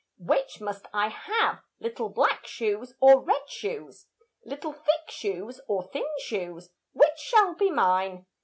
Which must I have, little black shoes or red shoes, Little thick shoes or thin shoes, which shall be mine?